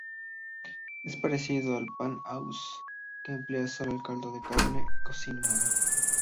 Es parecido al "pon haus", que emplea solo el caldo de carne cocinada.